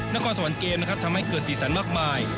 นครสวรรค์เกมนะครับทำให้เกิดสีสันมากมาย